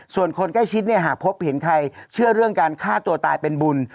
ส่วนคนใกล้ชิดเนี่ยหากพบเห็นใครเชื่อเรื่องการฆ่าตัวตายเป็นบุญ